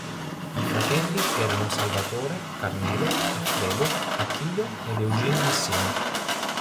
I fratelli erano Salvatore, Carmelo, Alfredo, Attilio ed Eugene Messina.